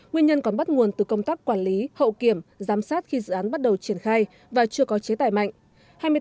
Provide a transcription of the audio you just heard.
nguyên nhân còn bắt nguồn từ công tác quản lý hậu kiểm giám sát khi dự án bắt đầu triển khai và chưa có chế tài mạnh